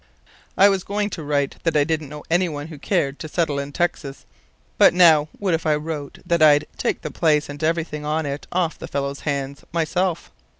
"I was going to write that I didn't know any one who cared to settle in Texas; but now what if I wrote that I'd take the place and everything on it off the fellow's hands myself?"